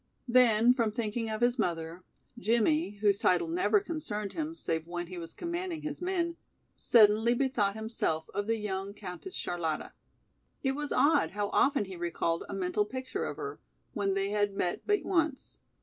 Then from thinking of his mother, Jimmie, whose title never concerned him save when he was commanding his men, suddenly bethought himself of the young Countess Charlotta. It was odd how often he recalled a mental picture of her, when they had met but once.